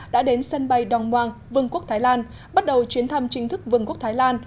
đã đến sân bay đoan moang vương quốc thái lan bắt đầu chuyến thăm chính thức vương quốc thái lan